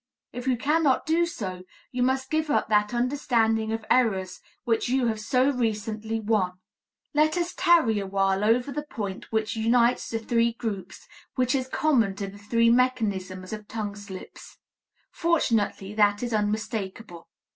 If you cannot do so, you must give up that understanding of errors which you have so recently won. Let us tarry a while over the point which unites the three groups, which is common to the three mechanisms of tongue slips. Fortunately, that is unmistakable.